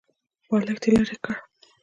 بالښت يې ليرې کړ.